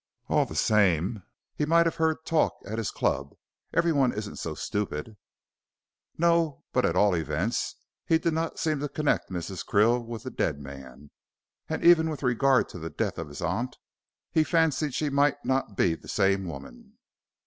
"All the same, he might have heard talk at his club. Everyone isn't so stupid." "No. But, at all events, he did not seem to connect Mrs. Krill with the dead man. And even with regard to the death of his aunt, he fancied she might not be the same woman."